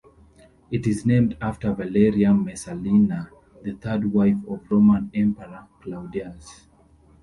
It is named after Valeria Messalina, the third wife of Roman Emperor Claudius.